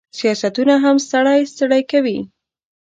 سیاستونه هم سړی ستړی کوي.